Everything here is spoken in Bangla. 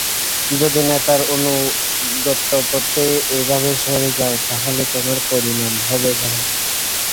যদি নেতার আনুগত্য করতে এভাবে সরে যাও তাহলে তোমাদের পরিণাম হবে ভয়াবহ।